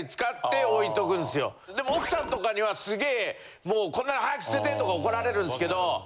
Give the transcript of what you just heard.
でも奥さんとかにはすげぇ「こんなの早く捨てて！」とか怒られるんすけど。